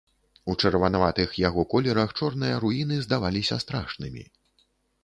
У чырванаватых яго колерах чорныя руіны здаваліся страшнымі.